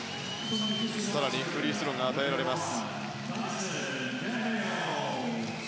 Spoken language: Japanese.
更に、フリースローが与えられます。